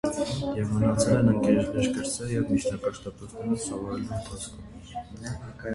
Եվ մնացել են ընկերներ կրտսեր և միջնակարգ դպրոցներում սովորելու ընթացքում։